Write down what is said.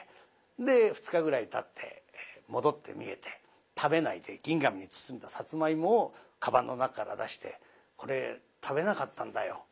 で２日ぐらいたって戻ってみえて食べないで銀紙に包んださつまいもをかばんの中から出して「これ食べなかったんだよ。